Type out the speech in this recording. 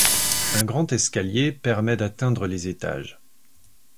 Un grand escalier permet d'atteindre les étages.